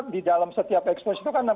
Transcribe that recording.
di dalam setiap ekspos itu kan